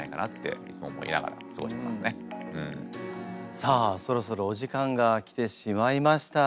さあそろそろお時間が来てしまいました。